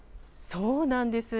そうなんです。